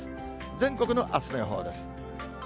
全国のあすの予報です。